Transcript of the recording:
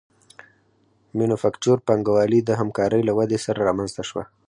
مینوفکچور پانګوالي د همکارۍ له ودې سره رامنځته شوه